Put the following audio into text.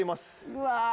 うわ。